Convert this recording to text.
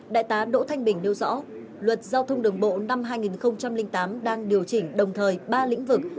đại tá đỗ thanh bình nêu rõ luật giao thông đường bộ năm hai nghìn tám đang điều chỉnh đồng thời ba lĩnh vực